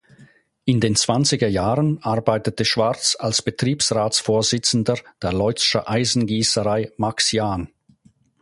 In den zwanziger Jahren arbeitete Schwarz als Betriebsratsvorsitzender der Leutzscher Eisengießerei Max Jahn.